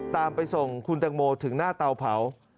ไปส่งคุณตังโมถึงหน้าเตาเผา